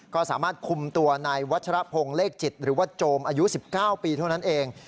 ก็สามารถคุมตัวนายวัชรพงศ์เลขจิตหรือว่าโจมอายุ๑๙ปีเท่านั้นเอง